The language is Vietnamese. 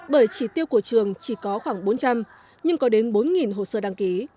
bởi chỉ tiêu của trường chỉ có khoảng bốn trăm linh nhưng có đến bốn hồ sơ đăng ký